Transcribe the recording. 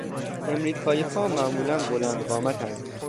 امریکاییها معمولا بلند قامتاند.